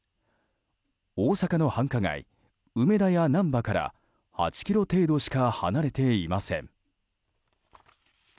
大阪の繁華街、梅田や難波から８ｋｍ程度しか離れていません。